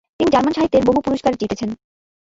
তিনি জার্মান সাহিত্যের বহু পুরস্কার জিতেছেন।